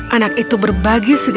anak itu berbagi segalanya